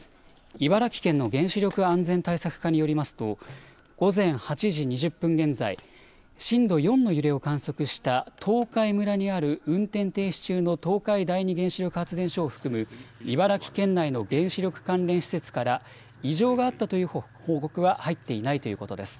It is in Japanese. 茨城県の原子力安全対策課によりますと午前８時２０分現在、震度４の揺れを観測した東海村にある運転停止中の東海第二原子力発電所を含む茨城県内の原子力関連施設から異常があったという報告は入っていないということです。